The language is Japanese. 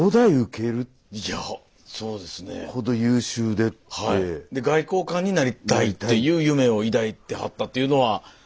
で外交官になりたいっていう夢を抱いてはったっていうのは。